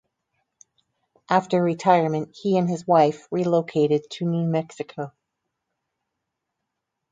After retirement he and his wife relocated to New Mexico.